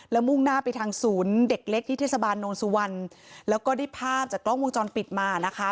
แล้วมุ่งหน้าไปทางศูนย์เด็กเล็กที่เทศบาลโนนสุวรรณแล้วก็ได้ภาพจากกล้องวงจรปิดมานะคะ